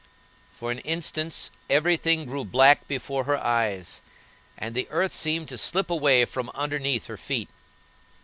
For an instant every thing grew black before her eyes, and the earth seemed to slip away from underneath her feet.